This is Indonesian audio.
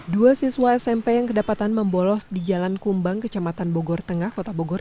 dua siswa smp yang kedapatan membolos di jalan kumbang kecamatan bogor tengah kota bogor